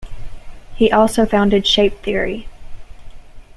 He also founded Shape theory.